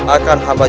akan hamilkan aku